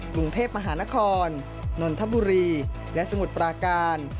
กรุงเทพมหานครนนทบุรีและสมุทรปราการ